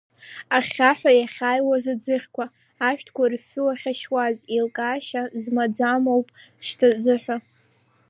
Ахьхьаҳәа иахьааиуаз аӡыхьқәа, ашәҭқәа рыфҩы уахьашьуаз, еилкаашьа змаӡамоуп шьҭазыҳәа…